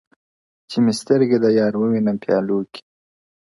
چي مي سترګي د یار و وینم پیالو کي ,